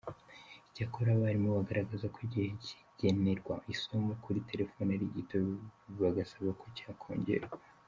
Icyakora abarimu bagaragaza ko igihe kigenerwa isomo kuri telefoni ari gito, bagasaba ko cyakongerwa.